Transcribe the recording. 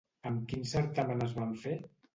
Amb quin certamen es van fer?